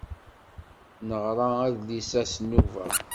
Neɣra adlis-a s nnuba.